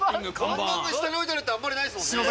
看板が下に置いてあるってあんまりないですもんね。